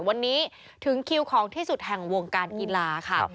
วันนี้ถึงคิวของที่สุดแห่งวงการกีฬาค่ะ